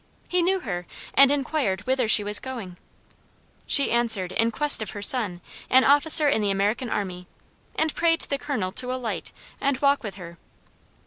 He knew her, and inquired whither she was going. She answered, in quest of her son, an officer in the American army; and prayed the Colonel to alight and walk with her.